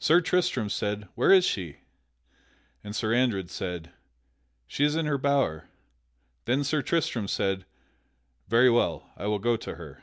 Sir Tristram said, "Where is she?" And Sir Andred said, "She is in her bower." Then Sir Tristram said, "Very well, I will go to her."